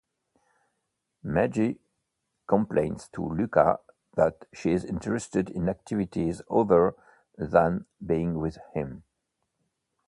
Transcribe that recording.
Maggie complains to Lucas that she's interested in activities other than being with him.